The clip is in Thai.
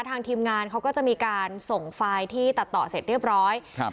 ทางทีมงานเขาก็จะมีการส่งไฟล์ที่ตัดต่อเสร็จเรียบร้อยครับ